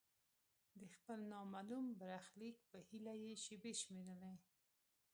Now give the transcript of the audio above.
د خپل نامعلوم برخلیک په هیله یې شیبې شمیرلې.